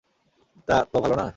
তা, তো ভালো না?